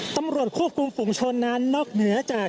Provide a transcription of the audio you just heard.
ตำรวจควบคุมฝุงชนนั้นนอกเหนือจาก